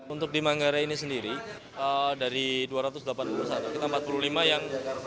untuk di manggarai ini sendiri dari dua ratus delapan puluh satu kita empat puluh lima yang